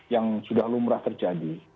yang sudah lumrah terjadi